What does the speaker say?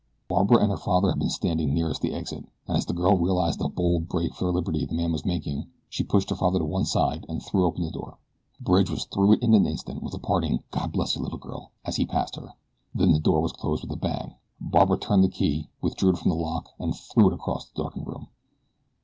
Barbara and her father had been standing nearest the exit, and as the girl realized the bold break for liberty the man was making, she pushed her father to one side and threw open the door. Bridge was through it in an instant, with a parting, "God bless you, little girl!" as he passed her. Then the door was closed with a bang. Barbara turned the key, withdrew it from the lock and threw it across the darkened room.